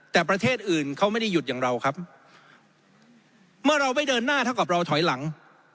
แต่ประเทศอื่นเขาไม่ได้หยุดอย่างเราครับเมื่อเราไม่เดินหน้าเท่ากับเราถอยหลัง